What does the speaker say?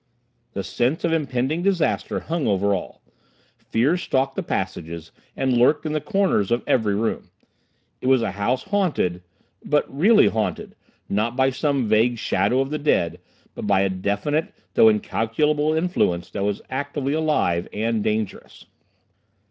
The sense of impending disaster hung over all. Fear stalked the passages, and lurked in the corners of every room. It was a house haunted, but really haunted; not by some vague shadow of the dead, but by a definite though incalculable influence that was actively alive, and dangerous.